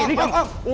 lepas sini anak om